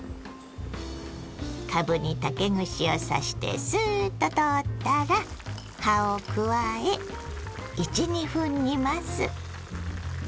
かぶに竹串を刺してスーッと通ったら葉を加え１２分煮ます。